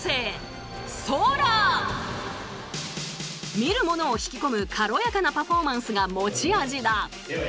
見る者を引き込む軽やかなパフォーマンスが持ち味だ。